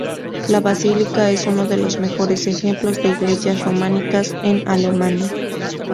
La basílica es uno de los mejores ejemplos de iglesias románicas en Alemania.